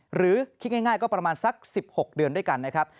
หรือคิดง่ายก็ประมาณสัก๑๖เดือนด้วยกันนะครับ